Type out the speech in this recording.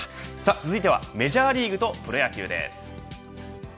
続いてはメジャーリーグとプロ野球です。